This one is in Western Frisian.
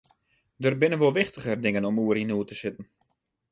Der binne wol wichtiger dingen om oer yn noed te sitten.